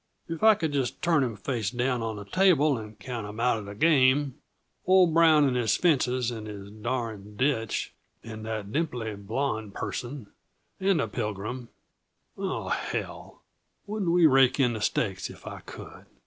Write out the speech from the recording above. If I could just turn 'em face down on the table and count 'em out uh the game old Brown and his fences and his darn ditch, and that dimply blonde person and the Pilgrim oh, hell! Wouldn't we rake in the stakes if I could?"